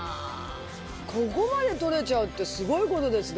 ここまで取れちゃうってすごい事ですね。